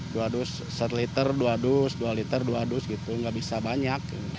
dua dus set liter dua dus dua liter dua dus gitu nggak bisa banyak